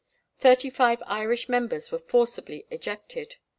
Thirty five Irish members were forcibly ejected.